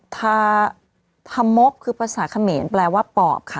ทาธรรมกคือภาษาเขมรแปลว่าปอบค่ะ